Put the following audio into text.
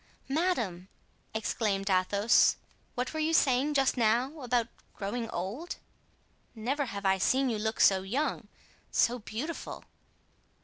"Madame!" exclaimed Athos, "what were you saying just now about growing old? Never have I seen you look so young, so beautiful!"